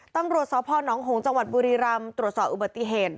ตำรวจสพนหงษ์จังหวัดบุรีรำตรวจสอบอุบัติเหตุ